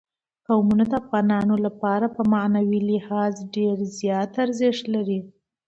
قومونه د افغانانو لپاره په معنوي لحاظ ډېر زیات ارزښت لري.